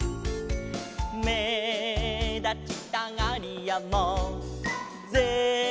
「めだちたがりやもぜひどうぞ」